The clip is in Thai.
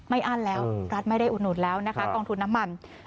ไม่ได้อนังเรียไม่ได้อุดหนูนแล้วนะครับกองธุนน้ำมัน